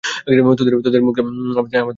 তোমাদের মুখ থাকলে, আমাদেরও আছে কি দারুন!